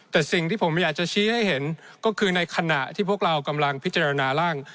แต่สิ่งที่ผมอยากจะชี้ให้เห็นก็คือในขณะที่พวกเรากำลังพิจารณาร่าง